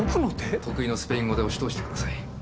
得意のスペイン語で押しとおしてください。